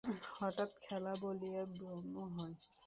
হঠাৎ খেলা বলিয়া ভ্রম হয়।